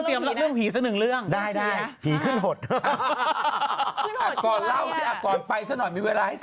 เดี๋ยวพี่ก็เตรียมเรื่องภีร์สักหนึ่งเรื่อง